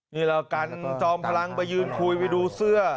นี่เรากันจอมพลังไปยืนคุยไปดูเสื้อ